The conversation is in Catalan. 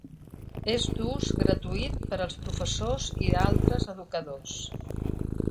És d'ús gratuït per als professors i altres educadors.